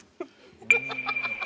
ハハハハ！